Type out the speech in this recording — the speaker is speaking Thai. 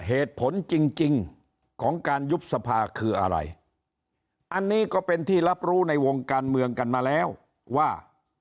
เหตุผลจริงของการยุบสภาคืออะไรอันนี้ก็เป็นที่รับรู้ในวงการเมืองกันมาแล้วว่า